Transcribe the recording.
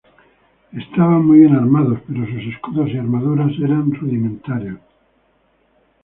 Estaban muy bien armados, pero sus escudos y armaduras eran rudimentarios.